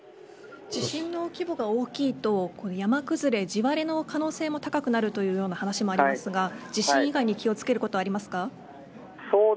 地震の規模が大きいと山崩れ、地割れの可能性も高くなるというような話がありますがそれ以外に気をつけることはありますか。